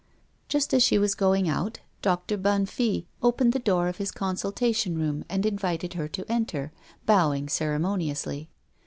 Just as she was going out, Doctor Bonnefille opened the door of his consultation room and invited her to enter, bowing ceremoniously.